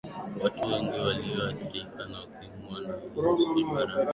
watu wengi waliyoathirika na ukimwi wanaishi barani afrika